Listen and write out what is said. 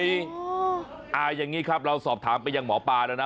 อย่างนี้ครับเราสอบถามไปยังหมอปลาแล้วนะ